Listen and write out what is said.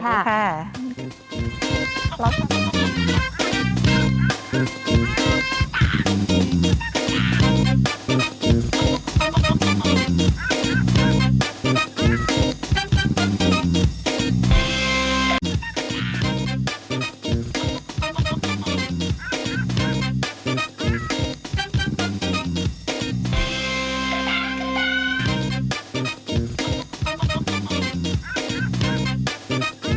ติดตามทุกความเคลื่อนไหวสวัสดีครับ